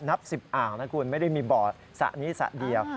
นับ๑๐อ่างนะคุณไม่ได้มีบ่อสระนี้สระเดียว